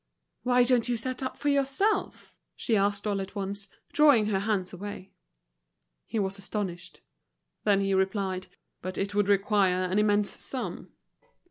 "Why don't you set up for yourself?" she asked all at once, drawing her hands away. He was astonished. Then he replied: "But it would require an immense sum.